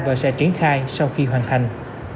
và sẽ triển khai sau khi hoàn thành